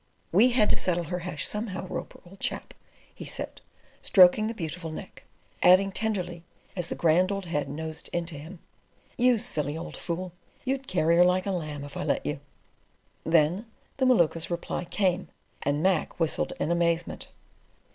"We had to settle her hash somehow, Roper, old chap," he said, stroking the beautiful neck, adding tenderly as the grand old head nosed into him: "You silly old fool! You'd carry her like a lamb if I let you." Then the Maluka's reply came, and Mac whistled in amazement.